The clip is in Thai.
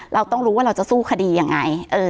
เราต้องรู้ว่าเราจะสู้คดียังไง